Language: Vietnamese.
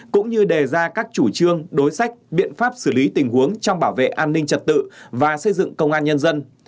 cũng như đề ra các chủ trương đối sách biện pháp xử lý tình huống trong bảo vệ an ninh trật tự và xây dựng công an nhân dân